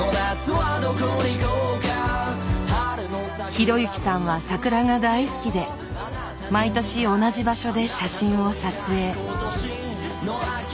啓之さんは桜が大好きで毎年同じ場所で写真を撮影。